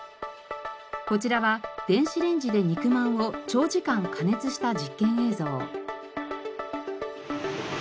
こちらは電子レンジで肉まんを長時間加熱した実験映像。